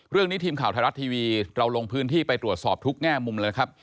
เรื่องนี้ทีมข่าวทหารัททีวีเราลงพื้นที่ไปตรวจสอบทุกแง่มุมเลยครับ